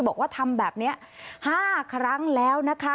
บอกว่าทำแบบนี้๕ครั้งแล้วนะคะ